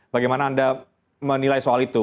bagaimana anda menilai soal itu